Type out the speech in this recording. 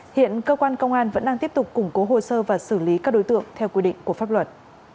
hiện cơ quan công an vẫn đang tiếp tục củng cố hồ sơ và xử lý các đối tượng theo quy định của pháp luật